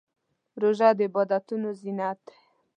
روژه د عبادتونو زینت دی.